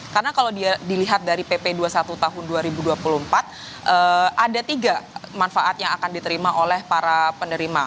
karena kalau dilihat dari pp dua puluh satu tahun dua ribu dua puluh empat ada tiga manfaat yang akan diterima oleh para penerima